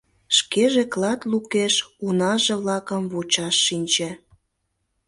Шкеже клат лукеш унаже-влакым вучаш шинче.